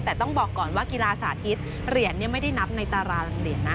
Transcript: แต่ต้องบอกก่อนว่ากีฬาสาธิตเหรียญไม่ได้นับในตารางเหรียญนะ